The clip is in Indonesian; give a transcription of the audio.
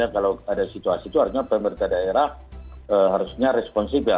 kalau ada situasi itu harusnya pemerintah daerah harusnya responsif ya